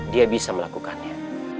dia bisa melakukannya